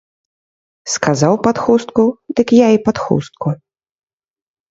Сказаў пад хустку, дык я і пад хустку.